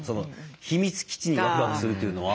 秘密基地にワクワクするというのは。